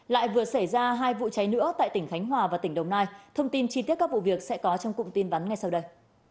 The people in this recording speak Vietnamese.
lại vừa xảy ra hai vụ cháy nữa tại tỉnh khánh hòa và tỉnh đồng nai thông tin chi tiết các vụ việc sẽ có trong cụm tin vắn ngay sau đây